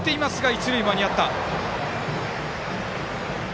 一塁は間に合った。